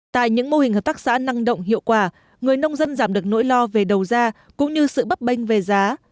tại những mô hình hợp tác xã năng động hiệu quả người nông dân giảm được nỗi lo về đầu ra cũng như sự bấp bênh về giá